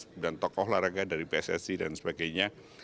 kemudian tokoh olahraga dari pssi dan sebagainya